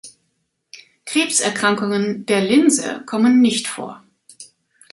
Krebserkrankungen der Linse kommen nicht vor.